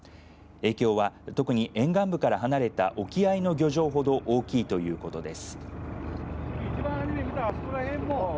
影響は特に沿岸部から離れた沖合の漁場ほど大きいということです。